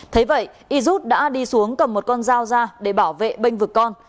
thế vậy yirut đã đi xuống cầm một con dao ra để bảo vệ bênh vực con